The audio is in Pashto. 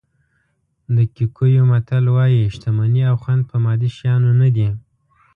د کیکویو متل وایي شتمني او خوند په مادي شیانو نه دي.